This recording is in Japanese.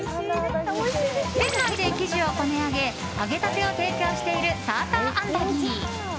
店内で生地をこね上げ揚げたてを提供しているサーターアンダギー。